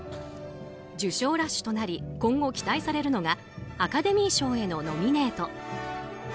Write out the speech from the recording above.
受賞ラッシュとなり今後、期待されるのがアカデミー賞へのノミネート。